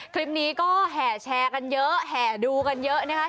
คลิปนี้ก็แห่แชร์กันเยอะแห่ดูกันเยอะนะคะ